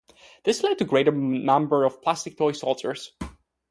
This led to greater numbers of plastic toy soldiers.